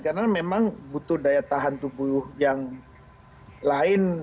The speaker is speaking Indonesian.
karena memang butuh daya tahan tubuh yang lain